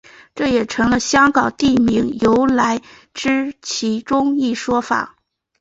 这也成了香港地名由来之其中一说。